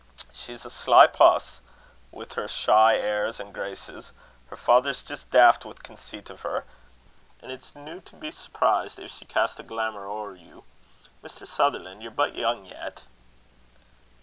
"She's a sly puss, with her shy airs and graces. Her father's jist daft wi' conceit o' her, an' it's no to be surprised if she cast a glamour ower you. Mr. Sutherland, ye're but young yet."